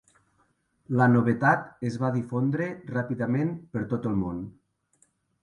La novetat es va difondre ràpidament per tot el món.